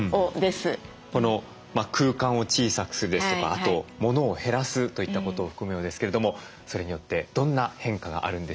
空間を小さくするですとかあと物を減らすといったことを含むようですけれどもそれによってどんな変化があるんでしょうか。